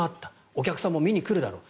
お客さんも見に来るだろう。